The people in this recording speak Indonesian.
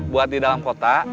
buat di dalam kota